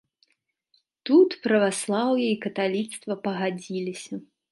Тут праваслаўе і каталіцтва пагадзіліся.